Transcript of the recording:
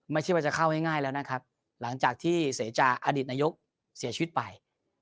ไม่ใช่ว่าจะเข้าง่ายแล้วนะครับหลังจากที่เสจาอดีตนายกเสียชีวิตไป